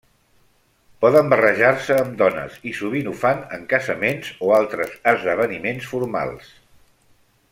Poden barrejar-se amb dones, i sovint ho fan en casaments o altres esdeveniments formals.